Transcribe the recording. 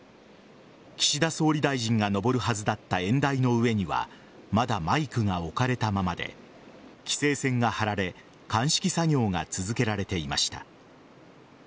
岸田総理大臣が上るはずだった演台の上にはまだマイクが置かれたままで規制線が張られ鑑識作業が続けられていました。